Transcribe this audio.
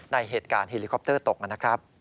ในเหตุการณ์เฮลิคอปเตอร์ตกนะครับ